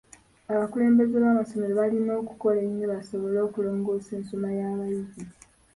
Abakulembeze b'amasomero balina okukola ennyo basobole okulongoosa ensoma y'abayizi.